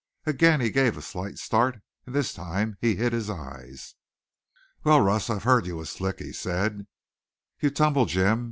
Again he gave a slight start, and this time he hid his eyes. "Wal, Russ, I've heard you was slick," he said. "You tumble, Jim.